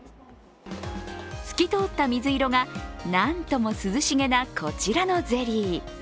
透き通った水色がなんとも涼しげなこちらのゼリー。